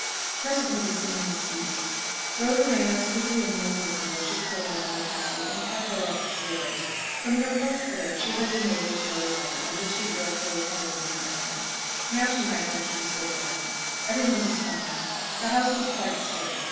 Presently the singing ceased. Rhoda ran as quickly and noiselessly as she could along the passage, and half way up the stairs. From her post there she heard the neighbours go away, and the street door close heavily behind them. Now she might venture to slip down. Everyone was gone. The house was quite still.